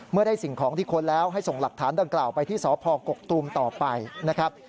เมื่อได้สิ่งของที่ค้นแล้วให้ส่งหลักฐานดังกล่าวไปที่สพกกตูมต่อไปนะครับ